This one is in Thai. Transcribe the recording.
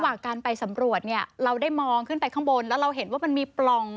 การไปสำรวจเนี่ยเราได้มองขึ้นไปข้างบนแล้วเราเห็นว่ามันมีปล่อง